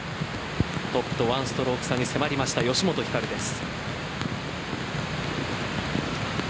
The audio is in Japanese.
トップと１ストローク差に迫りました吉本ひかるです。